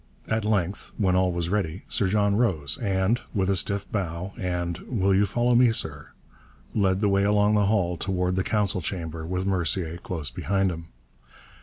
At length, when all was ready, Sir John rose and, with a stiff bow and 'Will you follow me, sir?' led the way along the hall towards the council chamber, with Mercier close behind him.